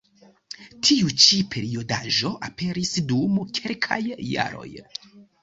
Tiu ĉi periodaĵo aperis dum kelkaj jaroj.